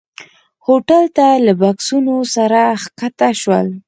هوټل ته له بکسونو سره ښکته شول.